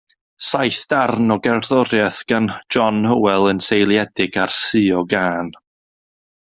Saith darn o gerddoriaeth gan John Hywel yn seiliedig ar Suo Gân.